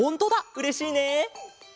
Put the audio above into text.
うれしいね。